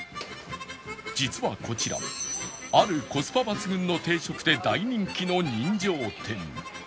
実はこちらあるコスパ抜群の定食で大人気の人情店